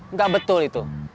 nggak betul itu